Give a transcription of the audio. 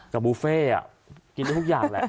กับบุฟเฟ่อ่ะกินทุกอย่างแหละ